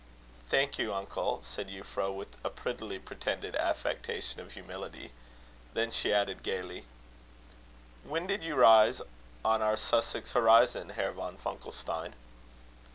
"Thank you, uncle," said Euphra, with a prettily pretended affectation of humility. Then she added gaily: "When did you rise on our Sussex horizon, Herr von Funkelstein?"